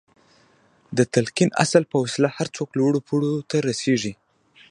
د تلقين اصل په وسيله هر څوک لوړو پوړيو ته رسېږي.